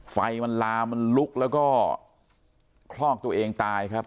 ไฟมันลามันลุกแล้วก็คลอกตัวเองตายครับ